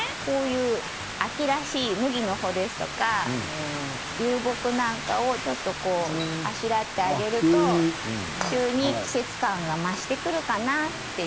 秋らしい麦の穂や流木なんかをあしらっていただくと急に季節感が増してくるかなと。